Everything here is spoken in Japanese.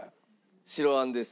白あんです。